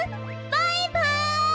バイバイ！